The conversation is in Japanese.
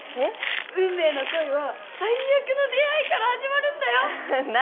運命の恋は最悪の出会いから始まるんだよな